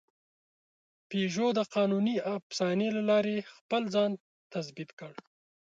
پيژو د قانوني افسانې له لارې خپل ځان تثبیت کړ.